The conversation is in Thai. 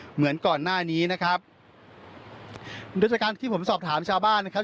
เหมือนก่อนหน้านี้นะครับโดยจากการที่ผมสอบถามชาวบ้านนะครับ